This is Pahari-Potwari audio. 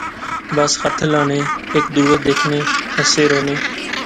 بس ہتھ ہلانے۔۔۔ہیک دوہے دیکھنے۔۔ ہنسے رونے